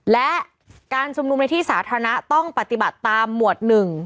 และการชุมนุมในที่สาธารณะต้องปฏิบัติตามหมวด๑